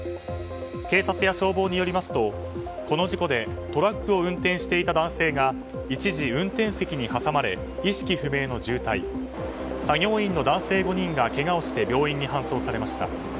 警察や消防によりますとこの事故でトラックを運転していた男性が一時、運転席に挟まれ意識不明の重体作業員の男性５人がけがをして病院に搬送されました。